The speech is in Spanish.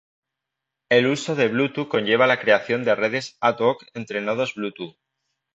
El uso de Bluetooth conlleva la creación de redes ad hoc entre nodos Bluetooth.